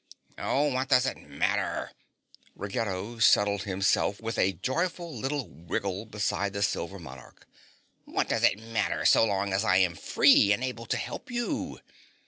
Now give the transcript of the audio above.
"Oh, what does it matter?" Ruggedo settled himself with a joyful little wriggle beside the Silver Monarch. "What does it matter so long as I am free and able to help you?